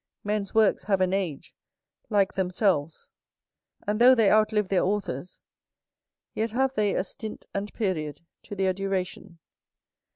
Men's works have an age, like themselves; and though they outlive their authors, yet have they a stint and period to their duration.